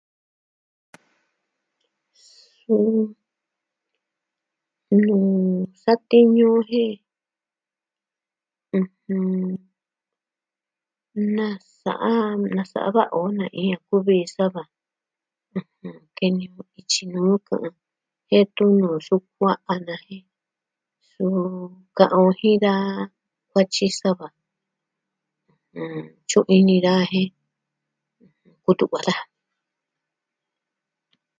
Suu satiñu o jie'e, na sa'a, nasa'a va'a na iin a kuvi ji sa va kene on ityi nuu kɨ'ɨn jen tun nuu sukua'a a na vi ji jen, suu ka'an jin da kuatyi sa va. Tyu'un ini daja jen kutu'va daja.